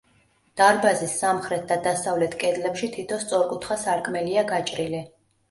დარბაზის სამხრეთ და დასავლეთ კედლებში თითო სწორკუთხა სარკმელია გაჭრილი.